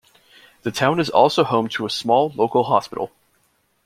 The town is also home to a small, local hospital.